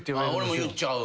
俺も言っちゃう。